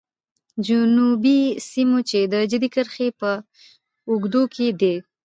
جنوبي سیمو چې د جدي کرښې په اوږدو کې دي.